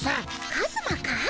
カズマかい？